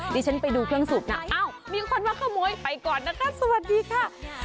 ฉันไปดูเครื่องสูบนะอ้าวมีคนมาขโมยไปก่อนนะคะสวัสดีค่ะ